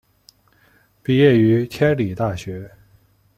毕业于天理大学。